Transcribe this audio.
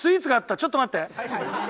ちょっと待って！